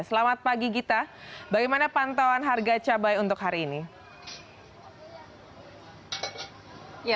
selamat pagi gita bagaimana pantauan harga cabai untuk hari ini